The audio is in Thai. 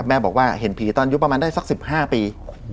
แม่บอกว่าเห็นผีตอนยุปประมาณได้สักสิบห้าปี